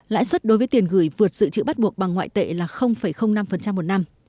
lãi suất đối với tiền gửi vượt dự trữ bắt buộc bằng ngoại tệ là năm một năm